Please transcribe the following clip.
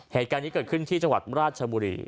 เหตุการณ์นี้เกิดขึ้นที่จังหวัดราชบุรี